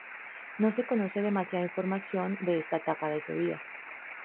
No se conoce demasiada información de esta etapa de su vida.